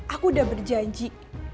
aku udah berjanji